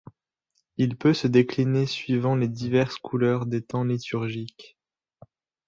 Il peut se décliner suivant les diverses couleurs des temps liturgiques.